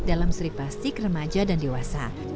dalam seri plastik remaja dan dewasa